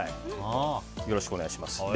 よろしくお願いします。